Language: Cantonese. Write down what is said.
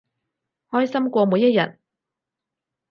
開心過每一日